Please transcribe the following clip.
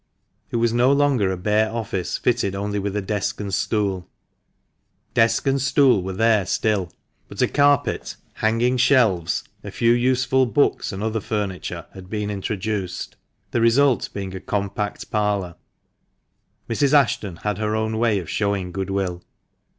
It was no longer a bare office, fitted only with a desk and stool. Desk and stool were there still, but a carpet, hanging shelves, a few useful books, and other furniture had been introduced, the result being a compact parlour. Mrs. Ashton had her own way of showing good will.